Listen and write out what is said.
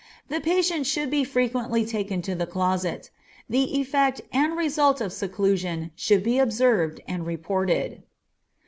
The patient should be frequently taken to the closet. The effect and result of seclusion should be observed and reported.